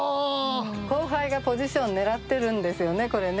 後輩がポジションを狙っているんですよねこれね。